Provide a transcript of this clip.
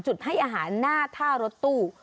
ให้อาหารหน้าท่ารถตู้